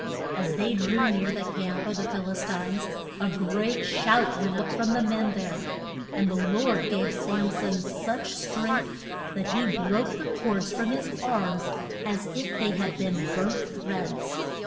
As they drew near the camp of the Phil is tines a great shout went up from the men there. And the Lord gave Sam son such strength that he broke the cords from his arms as if they had been burnt threads.